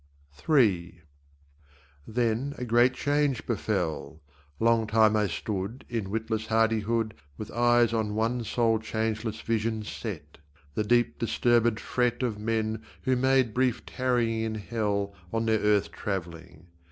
III Then a great change befell: Long time I stood In witless hardihood With eyes on one sole changeless vision set The deep disturbèd fret Of men who made brief tarrying in hell On their earth travelling.